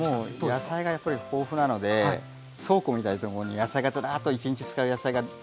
もう野菜がやっぱり豊富なので倉庫みたいなところに野菜がズラーッと１日使う野菜があるんですよ。